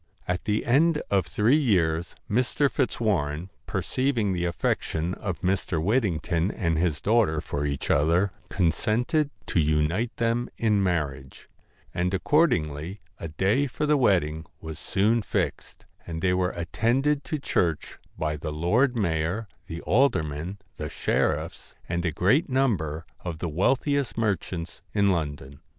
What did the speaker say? At the end of three years Mr. Fitzwarren, per ceiving the affection of Mr. Whittington and his daughter for each other, consented to unite them in marriage; and accordingly a day for the wed ding was soon fixed, and they were attended to church by the lord mayor, the aldermen, the sheriffs, and a great number of the wealthiest merchants in London.